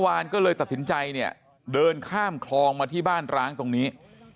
วานก็เลยตัดสินใจเนี่ยเดินข้ามคลองมาที่บ้านร้างตรงนี้